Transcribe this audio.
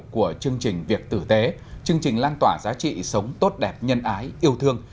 của chương trình việc tử tế chương trình lan tỏa giá trị sống tốt đẹp nhân ái yêu thương